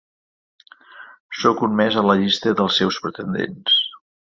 Soc un més a la llista dels seus pretendents.